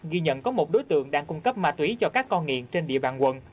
ghi nhận có một đối tượng đang cung cấp ma túy cho các con nghiện trên địa bàn quận